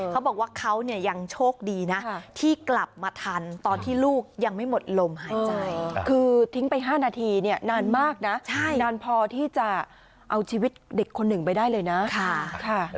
เขาบอกว่าเขาเนี่ยยังโชคดีนะที่กลับมาทันตอนที่ลูกยังไม่หมดลมหายใจคือทิ้งไป๕นาทีเนี่ยนานมากนะนานพอที่จะเอาชีวิตเด็กคนหนึ่งไปได้เลยนะ